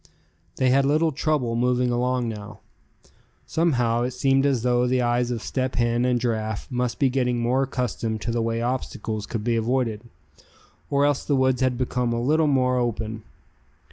They had little trouble moving along now. Somehow, it seemed as though the eyes of Step Hen and Giraffe must be getting more accustomed to the way obstacles could be avoided; or else the woods had become a little more open.